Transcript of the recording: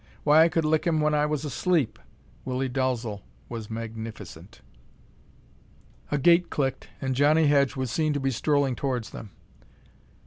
Why, I could lick him when I was asleep." Willie Dalzel was magnificent. A gate clicked, and Johnnie Hedge was seen to be strolling towards them.